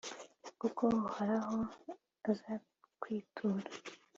kuko uhoraho azakwitura